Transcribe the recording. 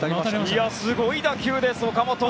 すごい打球です、岡本！